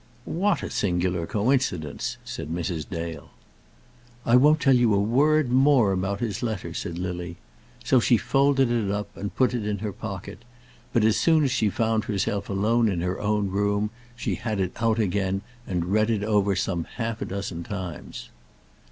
"What a singular coincidence!" said Mrs. Dale. "I won't tell you a word more about his letter," said Lily. So she folded it up, and put it in her pocket. But as soon as she found herself alone in her own room, she had it out again, and read it over some half a dozen times.